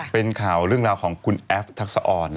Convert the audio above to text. เป็นข่าวเรื่องราวของคุณแอฟทักษะออน